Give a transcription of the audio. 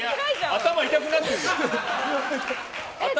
頭痛くなってるじゃん。